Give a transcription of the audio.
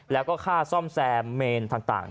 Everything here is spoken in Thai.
แล้วก็ค่าซ่อมแซมเมนต่าง